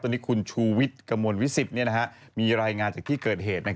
ตอนนี้คนชูวิตกลมวิศิปต์มีรายงานจากที่เกิดเหตุ